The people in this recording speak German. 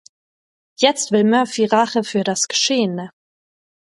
Jetzt will Murphy Rache für das Geschehene.